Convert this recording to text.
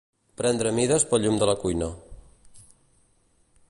Prendre mides pel llum de la cuina